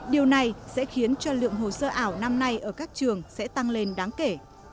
điều này sẽ khiến cho lượng hồ sơ ảo năm nay ở các trường sẽ tăng lên đáng kể